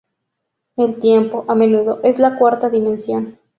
El tiempo, a menudo, es la cuarta dimensión.